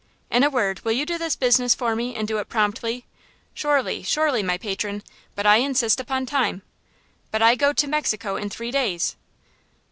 '" "In a word, will you do this business for me and do it promptly?" "Surely, surely, my patron! But I insist upon time." "But I go to Mexico in three days."